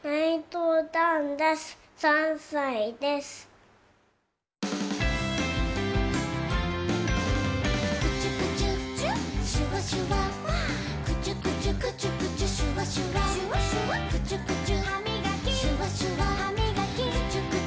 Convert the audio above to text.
「ファンファンファン」「クチュクチュシュワシュワ」「クチュクチュクチュクチュシュワシュワ」「クチュクチュハミガキシュワシュワハミガキ」「クチュクチュクチュクチュシュワシュワ」